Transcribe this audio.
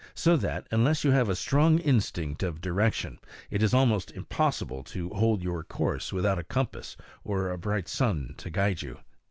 So that, unless you have a strong instinct of direction, it is almost impossible to hold your course without a compass, or a bright sun, to guide you.